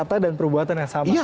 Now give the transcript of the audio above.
fakta dan perbuatan yang sama